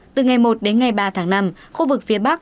từ ngày một đến ngày ba tháng năm khu vực phía bắc